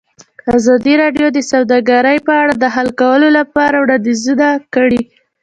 ازادي راډیو د سوداګري په اړه د حل کولو لپاره وړاندیزونه کړي.